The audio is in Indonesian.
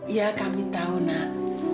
iya kami tahu nak